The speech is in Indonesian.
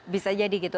bisa jadi gitu